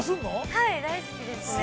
◆はい、大好きですね。